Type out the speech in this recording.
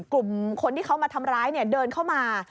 กลุ่มคนที่เขามาทำร้ายเดินเข้ามา